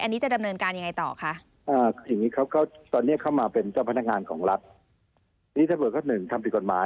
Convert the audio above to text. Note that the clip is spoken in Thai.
อันนี้จะดำเนินการยังไงต่อคะ